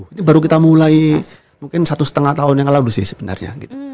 ini baru kita mulai mungkin satu setengah tahun yang lalu sih sebenarnya